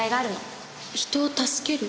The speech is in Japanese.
人を助ける？